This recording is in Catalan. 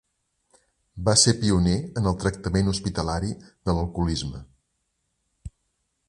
Va ser pioner en el tractament hospitalari de l'alcoholisme.